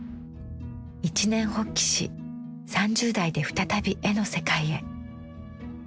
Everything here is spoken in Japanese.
一念発起し３０代で再び絵の世界へ。